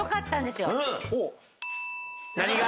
何が？